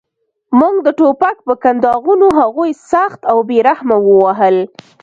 موږ د ټوپک په کنداغونو هغوی سخت او بې رحمه ووهل